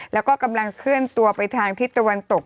แล้วก็กำลังเคลื่อนตัวไปทางทิศตะวันตก